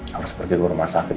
harus pergi ke rumah sakit